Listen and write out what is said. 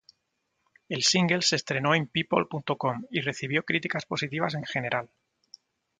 El single se estrenó en People.com y recibió críticas positivas en general.